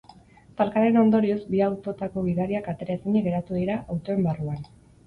Talkaren ondorioz, bi autotako gidariak atera ezinik geratu dira, autoen barruan.